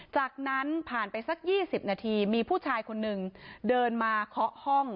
จากนั้นผ่านไปสัก๒๐นาทีมีผู้ชายคนหนึ่งเดินมาเคาะห้อง